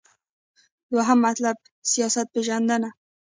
دوهم مطلب : سیاست پیژندنه